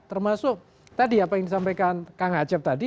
termasuk tadi apa yang disampaikan kang acep tadi